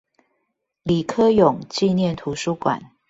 李科永紀念圖書館